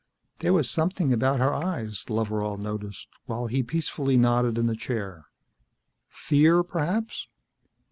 There was something about her eyes, Loveral noticed, while he peacefully nodded in the chair. Fear, perhaps.